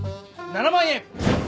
７万円。